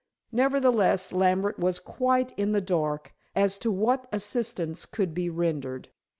Nevertheless, Lambert was quite in the dark, as to what assistance could be rendered.